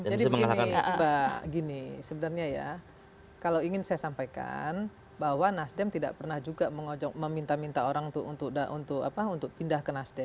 jadi begini mbak gini sebenarnya ya kalau ingin saya sampaikan bahwa nasdem tidak pernah juga meminta minta orang untuk untuk untuk apa untuk pindah ke nasdem